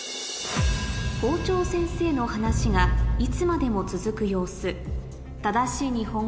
校長先生の話がいつまでも続く様子どちらでしょう？